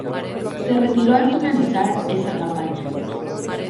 Se retiró al finalizar esa campaña.